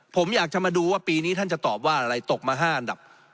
ผมอยากจะมาดูว่าปีนี้ท่านจะตอบว่าอะไรตกมา๕อันดับ